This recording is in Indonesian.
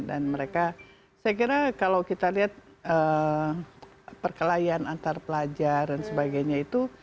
dan mereka saya kira kalau kita lihat perkelahian antar pelajar dan sebagainya itu